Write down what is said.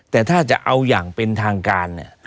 แต่ถ้าจะเอาอย่างเป็นทางการเนี่ย